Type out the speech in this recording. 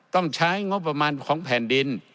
ต้องใช้งบประมาณของแผ่นดิน